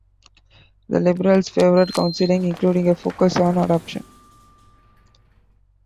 The Liberals favoured counselling, including a focus on adoption.